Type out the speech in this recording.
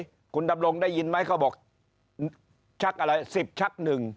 ไอ้เฮ้ยคุณทำโรงได้ยินไหมเขาบอกชักอะไร๑๐ชัก๑